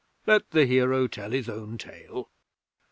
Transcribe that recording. Let the hero tell his own tale.'